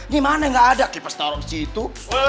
ini mana yang nggak ada kipas taruh di situ